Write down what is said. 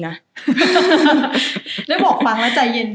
ได้บอกฟังแล้วใจเย็น